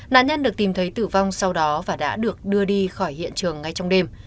nạn nhân được tìm thấy tử vong sau đó và đã được đưa đi khỏi hiện trường ngay trong đêm